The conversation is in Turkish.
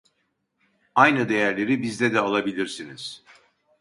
Aynı değerleri bizde de alabilirsiniz